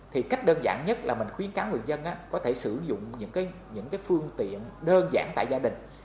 thì cách đơn giản nhất là mình khuyến cáo người dân có thể sử dụng những phương tiện đơn giản tại gia đình